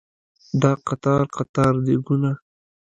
دا قطار قطار دیګونه